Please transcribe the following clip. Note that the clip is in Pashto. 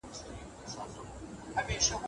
ولایتي شوراګانو د خلګو استازیتوب کاوه.